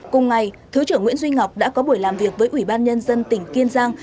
cùng ngày thứ trưởng nguyễn duy ngọc đã có buổi làm việc với ủy ban nhân dân tỉnh kiên giang